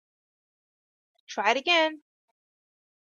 Try it again.